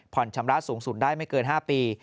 ชำระสูงสุดได้ไม่เกิน๕ปี